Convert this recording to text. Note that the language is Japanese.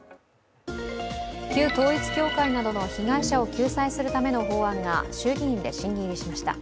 旧統一教会などの被害者を救済するための法案が衆議院で審議入りしました。